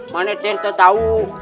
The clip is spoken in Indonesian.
mana tentu tahu